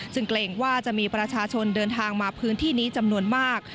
ซึ่งเกรงว่าจะมีประชาชนเดินทางมาพื้นที่นี้จำนวนมาก